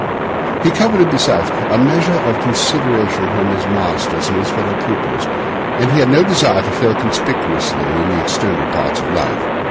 He coveted, besides, a measure of consideration from his masters and his fellow pupils, and he had no desire to fail conspicuously in the external parts of life.